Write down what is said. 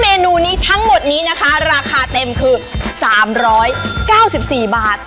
เมนูนี้ทั้งหมดนี้นะคะราคาเต็มคือ๓๙๔บาท